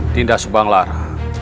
dinda subang lara